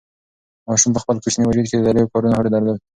ماشوم په خپل کوچني وجود کې د لویو کارونو هوډ درلود.